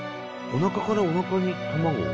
おなかからおなかに卵を？